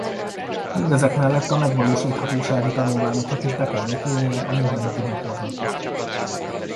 Mindezek mellett a megvalósíthatósági tanulmányoknak is be kell épülnie a mindennapi gyakorlatba.